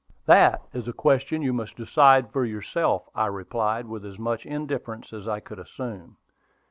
"That is a question you must decide for yourself," I replied, with as much indifference as I could assume.